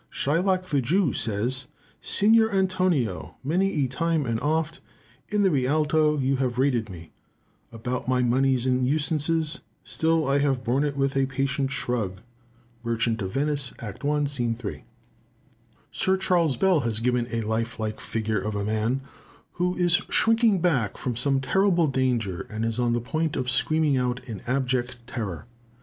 Shylock the Jew, says, "Signor Antonio, many a time and oft In the Rialto have you rated me About my monies and usances; Still have I borne it with a patient shrug." Merchant of Venice, act i. sc. 3. Sir C. Bell has given a life like figure of a man, who is shrinking back from some terrible danger, and is on the point of screaming out in abject terror.